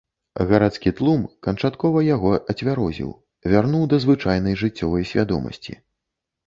Гарадскі тлум канчаткова яго ацвярозіў, вярнуў да звычайнай жыццёвай свядомасці.